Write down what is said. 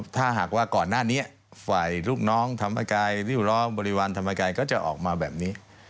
ถ้าหากว่าก่อนหน้านี้ฝ่ายลูกน้องธรรมกายริ้วล้อมบริวารธรรมกายก็จะออกมาแบบนี้